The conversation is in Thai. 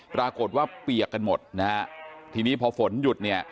ปรากฏว่าเปียกกันหมดทีนี้พอฝนหยุด